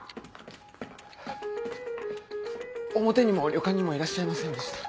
表にも旅館にもいらっしゃいませんでした。